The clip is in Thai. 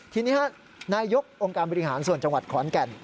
ทีนี้นายกองค์การบริหารส่วนจังหวัดขอนแก่น